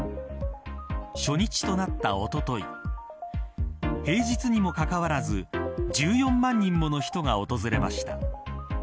初日となったおととい平日にもかかわらず１４万人もの人が訪れました。